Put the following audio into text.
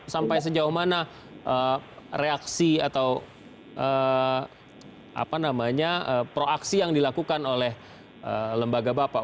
sampai sejauh mana reaksi atau proaksi yang dilakukan oleh lembaga bapak